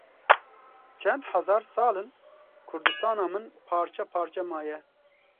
Çend hezar sal in Kurdistana min parçe parçe maye.